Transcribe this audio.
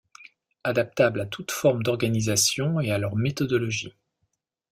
Adaptable à toute forme d'organisation et à leur méthodologie.